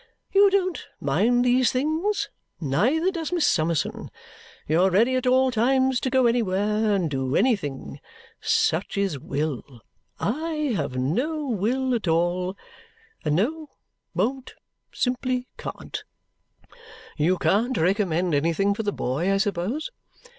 "You don't mind these things; neither does Miss Summerson. You are ready at all times to go anywhere, and do anything. Such is will! I have no will at all and no won't simply can't." "You can't recommend anything for the boy, I suppose?"